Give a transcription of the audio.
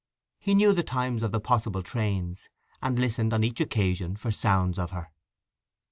He knew the times of the possible trains, and listened on each occasion for sounds of her.